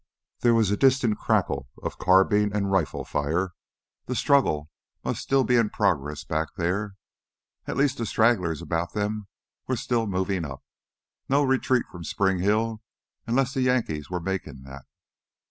There was a distant crackle of carbine and rifle fire. The struggle must still be in progress back there. At least the stragglers about them were still moving up. No retreat from Spring Hill, unless the Yankees were making that.